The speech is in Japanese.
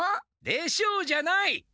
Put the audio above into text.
「でしょう？」じゃない！